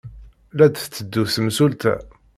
La d-tetteddu temsulta!